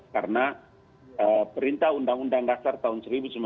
karena perintah undang undang dasar tahun seribu sembilan ratus empat puluh lima